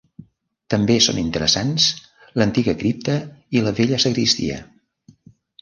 També són interessants l'antiga cripta i la vella sagristia.